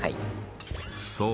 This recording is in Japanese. そう